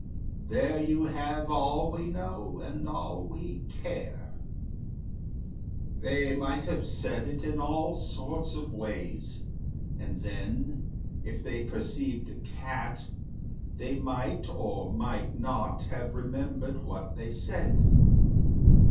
There you have all we know and all we care.' They might have said it in all sorts of ways; And then, if they perceived a cat, they might Or might not have remembered what they said.